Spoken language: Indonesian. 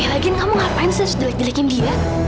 eh lajin kamu ngapain sesuai jelek jelekin dia